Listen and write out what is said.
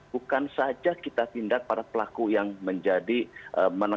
bukan saja kita tindak pada pelaku yang menjadi penyelamat